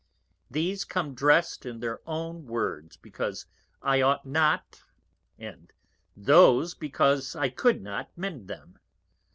_ _These come dressed in their own Words because I ought not, and those because I could not mend 'em.